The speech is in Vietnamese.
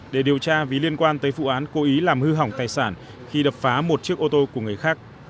để điều tra vì liên quan tới vụ án cố ý làm hư hỏng tài sản khi đập phá một chiếc ô tô của người khác